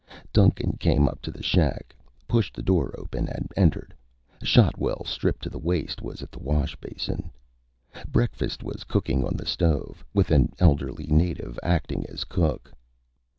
Duncan came up to the shack, pushed the door open and entered. Shotwell, stripped to the waist, was at the wash bench. Breakfast was cooking on the stove, with an elderly native acting as cook.